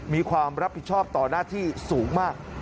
มีความรับผิดชอบต่อหน้าที่สูงมาก